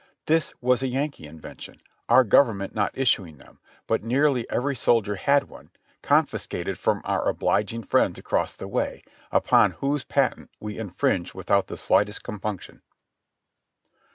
This was a Yankee invention, our Government not issuing them, but nearly every soldier had one, confiscated from our obliging friends across the way, upon whose patent we infringed without the slightest compunction.